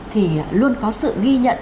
thì luôn có sự ghi nhận